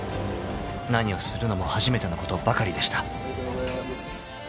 ［何をするのも初めてのことばかりでした］